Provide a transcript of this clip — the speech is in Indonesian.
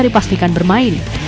belum bisa dipastikan bermain